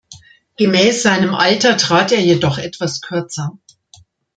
Gemäß seinem Alter trat er jedoch etwas kürzer.